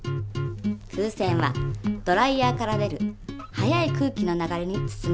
風船はドライヤーから出る速い空気の流れに包まれています。